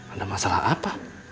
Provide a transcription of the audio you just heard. ada masalah apa